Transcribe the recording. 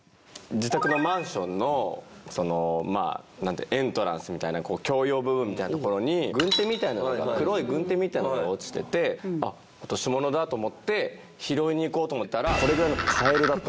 自宅のマンションのエントランス共用部分みたいな所に黒い軍手みたいなものが落ちてて落とし物だと思って拾いに行こうと思ったらこれぐらいのカエルだった。